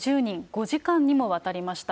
５時間にもわたりました。